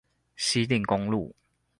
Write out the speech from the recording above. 汐碇公路